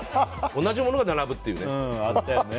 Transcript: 同じものが並ぶというね。